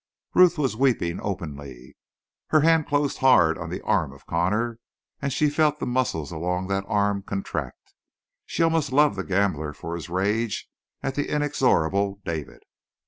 Ruth was weeping openly, her hand closed hard on the arm of Connor; and she felt the muscles along that arm contract. She almost loved the gambler for his rage at the inexorable David.